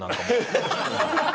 ハハハハ！